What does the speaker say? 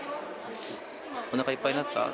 おなかいっぱいになった？